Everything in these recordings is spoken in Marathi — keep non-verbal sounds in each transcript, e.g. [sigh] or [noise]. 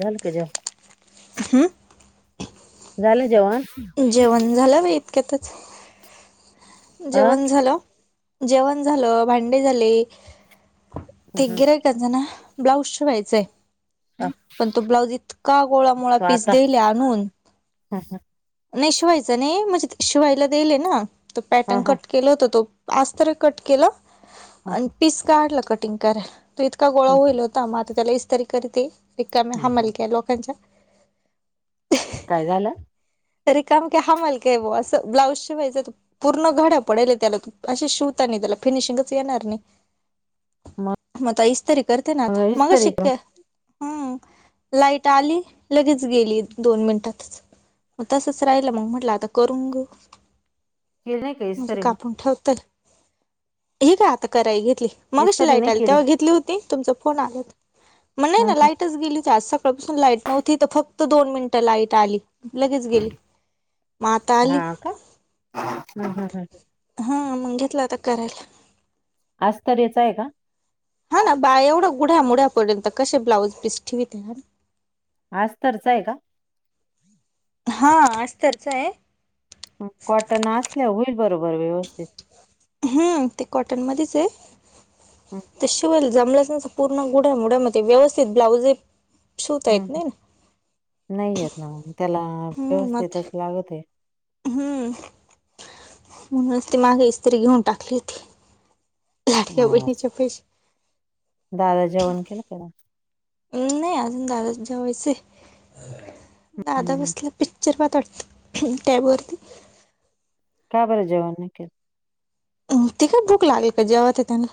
झाल के जा हमम झाले जेव्हा जेवण झालं बा इतक्यातच अ जेवण झालं जेवण झालं भांडे झाले ते गिरय काज ना ब्लाऊज ठेवायचंय पण तो ब्लाऊज इतका गोळामोळा पीस देईल आणून हम हा नाही शिवायच नाही म्हणजे शिवायला देलय ना तो हा पॅटर्न हा कट केलं होत तो पास्त्र कट केलं हा आणि पीस काढलं कटिंग कय इतका गोळा होईल होता मग आता त्याला इस्तरीकरी ते रम हमाल के लोकांच्या काय झालं तरी काम क हमाल काय ब असं ब्लाउज शिवायच पूर्ण घड्या पडल्या त्याला शवता म मग करते ना आता मग इस्तरी शिक्क केली हम् लाइट आली लगेच गेली दोन मिनिटातच मग तसच राहिल मग म्हटलं आता करून घ नाही का म्हणजे इस्तरी मग कापून ठेवत हे काय आता कराय घेतली मगशी इस्तरी लाईट नाही आली केली तेव्हा घेतली होती तुमचा फोन आलात मग नाही हा ना हा लाईटच गेली आज सकाळपासून लाईट नव्हती तर फक्त दोन मिनिटं लाईट आली लगेच गेली मग आता आली हा का ह हम् ह हा मग घेतलं आता करायला आज तर याच आहे का हा ना बा एवढं गुढ्या मुढ्यापर्यंत कसे ब्लाउज पीस ठेवित ह आज तरच आहे का हां असतचं आहे कॉटन असल्या होईल बरोबर व्यवस्थित हम्म ते कॉटन मध्येच आहे ते शिवाल जमलं पूर्ण गुड्यामड्यामध्ये व्यवस्थित ब्लाउजे हम् नाही येत ना त्याला हम्म, मग ते- व्यवस्थितच लागत आहे हम्म म्हणूनच ती मागे इत्री घेऊन टाकली होतीी अ दादा जेवण केलं करा नाही अजून दादा जेवायचे दादा बसला पिक्चर पा तट टॅबवरती काय बर जवा न केल अम त का भूक लागेल का जेव्हा ते त्यांना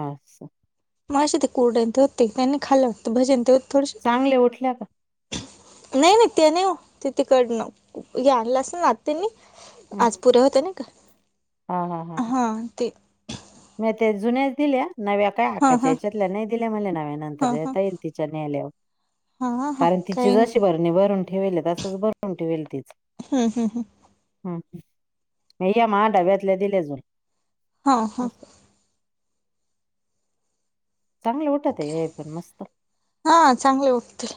अचछा माझ्या ते कोरड होते त्यांनी खायलाते भजन ते थोडेसे चांगले उठल्या का नाही ना त्या नाही हो त तिकडन हे आणलं अस नात्यानी आज पुरे होत ना का हा ते मी ते जुन्याच दिल्या नव्या काय हां हकाच्या हां याच्यातल्या नाही दिल्या मला नव्या नंतर हां देता येईल तिच्याने आल्यावर हां हां हां कारण तिची काही जशी भरणी भरून ठेवेल तसच भरून ठेवेल तिच हम्म हम्म हम. ह या महा डाब्यातल्या दिल्या अजून. हा हा. चांगलं उठत हे पण मस्त. हा चांगले वाटतील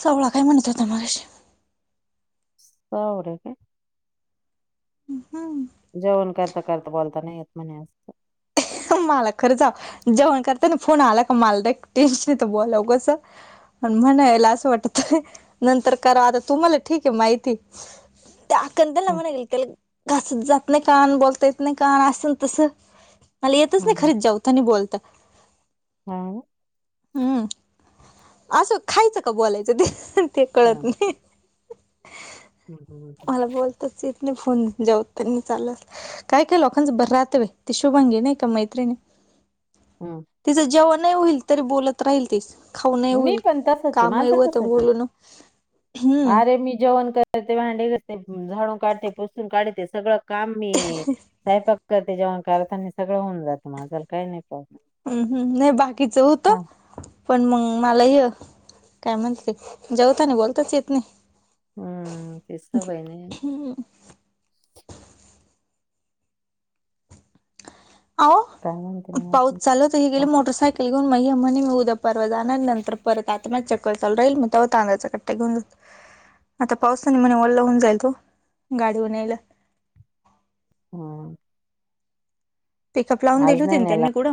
सगळे काय म्हणत होते मगाशी? औरे काय? हम. आता नाही यत म्हने अस. मला खरंच जेवण करतांना फोन आला का मला लय टेन्शन येत बोलावं कसं? पण म्हणायला असं वाटत नंतर करा आता तुम्हाला ठीक आहे माहिती. त्या आक त्याला हम्म, म्हणा गेल त्याला घासत जात नाही का बोलता येत नाही का अस ना तस. मला येतच नाही खर जावतांनी बोलता. हम. हम असं खायचं का बोलायचं ते. ते कळत नाही. हम हम हम मला हम. बोलताच येत नाही फोन जेवतांनी चालत काही काही लोकांचं बरं राहत बाई ते शुभांगीे नाही मैत्रिणी हम्म. तिचं जेवण नाही होईल तरी बोलत राहील ती खाऊनही मी होईल पण तसंच आहे कामही माझं होते तसंच आहे बोलून हम. ते भांडी घासते, झाडू काढते, पुसून काढते, सगळं काम नीट स्वयंपाक करते जेवण करतांनी सगळं होऊन जातं माझ काही नाही. प्रॉब्लेम हम हम नाही बाकीच होतं हा पण मग मलाय त्यामधे जेवतांना बोलताच येत नाही. हम ते सवय नाही. काय म्हणते आहो मग पाऊत अजून? चालू होत हे हा, गेले मोटरसायकल ने घऊन मग म्हणे मी उद्या परवा जाणार नंतर परत आता मग चक्कर चालू राहील मग तेव्हा तांदळाचा कट्ट्या घेऊन जानार आता पावसाने ओला होऊन जाईल तो गाडीवरन्यायला. हम. पिकअप लावून दिली होती ना नेला त्यांनी कुठ?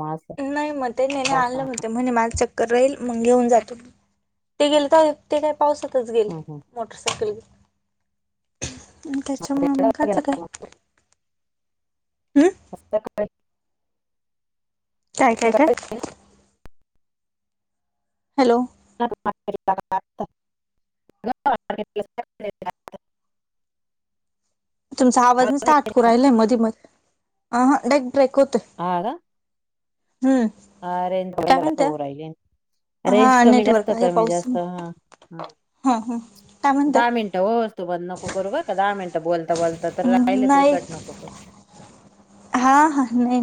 मग असं नाही मग त्यांनी हा, आणले होते म्हणे माझच राहील मग घेऊन जातो ते गेलं तर ते काय? पावसातच हम्म, गेले हम्म. मोटरसायकल घेऊन. त्याच्या मामाच काय? हम्म का. काय काय काय? सकाळी हॅलो. [unintelligible] तुमचा आवाज नुसत नाही येत आटकावून का? राहिलाय मधेमधे. अ हा डेक ब्रेक होत. आरे म्हणत्या तोर रेंज हा कमी जास्त नेटवर्क आहे कमी पाऊस जास्त हा हा. हा काय म्हणत्या दहा मिनिटं हो तू बण नको करू बर का दहा मिनिटं. बोलता बोलता तर म राहिले तरी नाही कट नको करू हा हा नाही.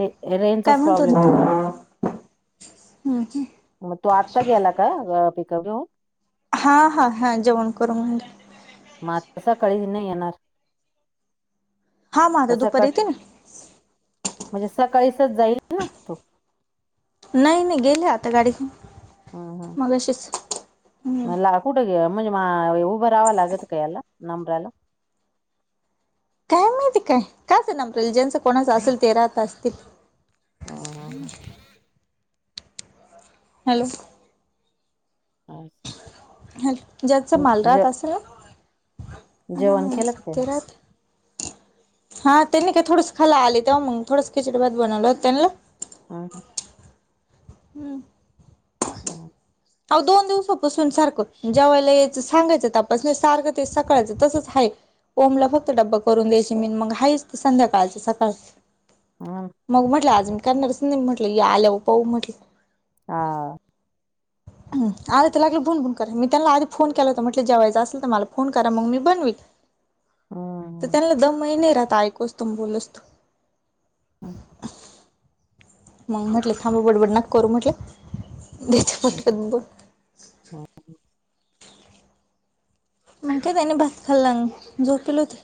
ते काय रेंजचाच म्हणत प्रॉब्लेम यएवउन राहिला आहे. होते? मग तो आत्ता गेला का पिकअप घेऊन. हा हा हा जेवण कर म्हणते. मातसा कळीही नाही येणार. हा मग आता का दुपारी सकाळ येतील ना. काळीसच जाईल ना तो. नाही नाही गेले आता गाडी घेऊन. हम हम मग अशीच मला कुठे ग म्हणजे मायबाइव उभ राहाव लागत का याला नंबराला काय माहिती काय कायजन नारलिजनच कोणाच असेल ते राहत असतील हह हॅलो ब ह ज्याच मालरहात असेल जेव हं, आणखी लगते ते राहत हा त्यांनी काय थोडस खाला आली तेव्हा मग थोडस खिचडी भात बनवलं त्यांना हा ह हम्म हम अा दोन दिवसापासून सारखं जेवायला यायचं सांगायचं तपास नाही सारखं ते सकाळयचं तसंच हाक ओमला फक्त डब्बा करून द्यायची मीन मग हायच ते संध्याकाळचे सकाळ हम्म. मग म्हटलं आज मी करणारच नाही म्हटलं आलंवर पाह म्हटलं हा. अरे ते लागलं भुून भुून करा मी त्यांना आधी फोन केला होता म्हटलं जेवायचं असेल तर मला फोन करा मग मी बनवील तर हम्म, त्यांना द महिने राहता ऐकू असतो म बोल असतो होम मग म्हटलं खथांब बडबडनाक करू म्हटलं च्यापठ कत ब हम्म. मग का त्यानी बस खाल्लाग झोपलोत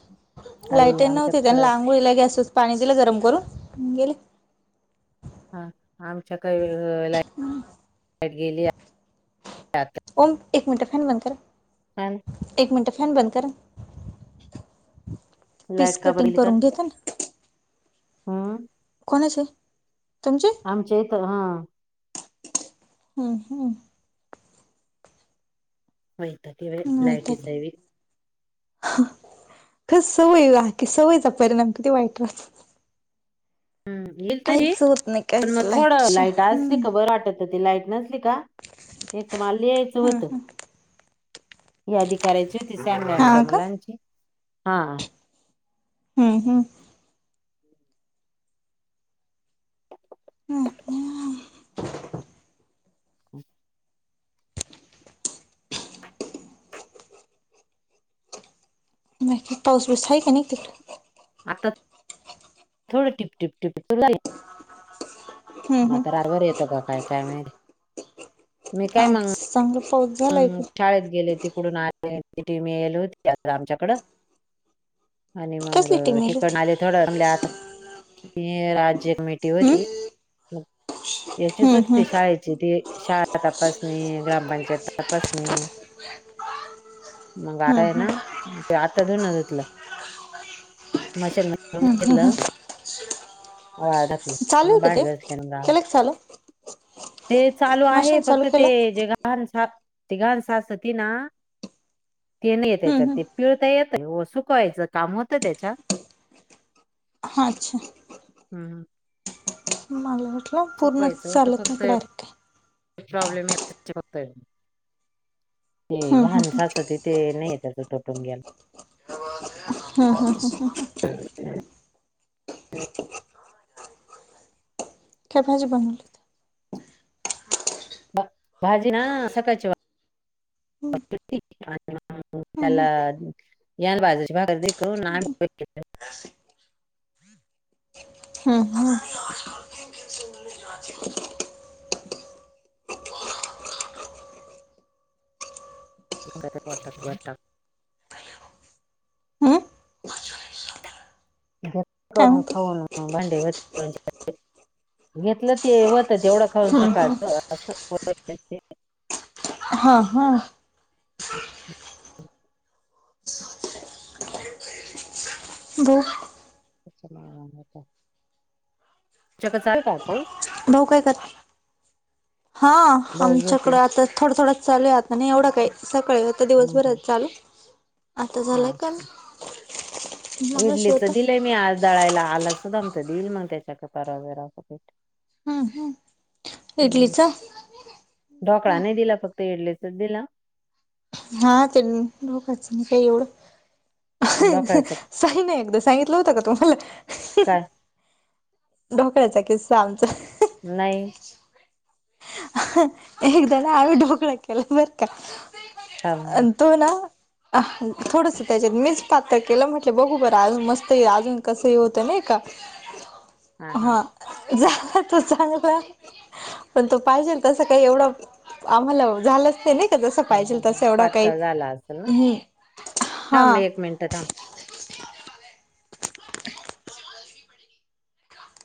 आई लाईटन नव्हती त्या आमच्याकडं लागोळळीला गॅस पाणी दिलं गरम करून गेले हा आमच्या काही ला लाट गेली ओम एक मिनटे फन बंद कर ह एक मिनट फॅन बंद कर पीस लाईट कटिंग करून घेत ना हा कोणशी आमचेत हा हम्म हम्म होत किवा लायटीच ब खस सवय ला की सवयीचा परिणाम किती वाईट वा हम् येईल तरी पण काहीच मग थोडं लाईट शिवाय अस असली हम्म. खबर वाटत ती लाईट नसली का एक तर मला ल यायचं हम्म. होत यादी करायची होती सांडच्या हा का मलांची हा हम्म हम्म ह नाही हम बाकी पाऊस बस आहे क त आता थोडं टिपटिप टिप चु हम्म म तर हम्म अरवर येतो का काय काय मिल अच सांग हम् शाळेत गेले त डूनी म येल होती आमच्याकड आणि मग कसली टीम येईल होती तिकन आले थोडं म्ह आता त राज्य कमेटी हम्म होती याचीच हम्म हम्म होते शाळेची ते शाळा तपासणी ग्रामपंचायत तपासणी मग हम्म आय हम्म ना आता धुन ुतलं मशन घेतलं ळाकलं चालू म आहे का ते बाडगच ग केलं का चालू ते चालू आहे मशीन चालू फक्त ते केलं जे घहान ती गान सास हो तती ना ते नाही येत हम्म त्याच्यात हम्म ते पिळता येत सुकवायचं काम होतं त्याच्या अच्छा मला म्हटलं पूर्ण चालत नाहीकडारक आहे ॉब्लेम य ते हम्म हम्म लहान साचते ते नाही य त्याच टोटून गेल हा हम हम ह [inaudible] काय भाजी बनवली बा बाजी ना सकाच वा त्याला हम्म यान बाजारची भाकर करून आम्ही हम् पर्ात घता हम्म काय करून म्हणते खाऊन भांडे घेतलं ते वत एवढं खाऊन सकाळच अस हा हा भाऊ अ नाहीता तुच्याक चाल काय पास भाऊ काय करते हा भाऊ झोपले आमच्याकडें आता थोडं थोडं चालूया आता नाही एवढं काय सकाळ आता दिवसभरात चालू आता झालंय काण विडलीच दिलंय मी आज दळायला आलाच सुधामत देईल मग त्याच्याक परागरापेठ ह ह इडलीच ढोकळा नाही दिला फक्त इडलेचच दिला हा ते लोकच नाही का एवढं ढोकळ्याच सही नाही एकदा सांगितलं होतं का तुम्हाला काय ढोकळ्याचा किस्सा आमचा नाही एकदा ना आ्ही ढोकळा केला बर का थांब तो ना अ थोडस त्याच्यात मीच पात्र केलं म्हटलं बघू बरं अजून मस्त अजून कसंही होतं नाही का [inaudible] हा झाला तर चांग पण तो पाहिजे तसं काही एवढं आम्हाला झालंच ते नाही स पाहिजे तस एवढं काही पातळ झाला असेल ना ह् हा थांब एक मिनिट थांब